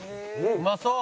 「うまそう！」